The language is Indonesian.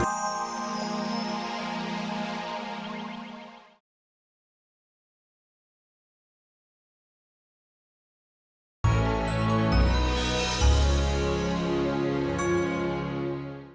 amaramu hanya akan membuat gerak